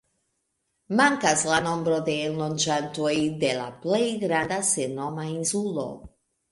Mankas la nombro de enloĝantoj de la plej granda, sennoma insulo.